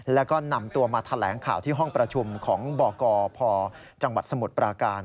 แล้วก็นำตัวมาแถลงข่าวที่ห้องประชุมของบกพจังหวัดสมุทรปราการ